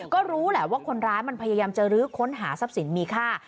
ก็รู้แหละว่าคนร้ายมันพยายามจะลื้อค้นหาทรัพย์สินมีค่า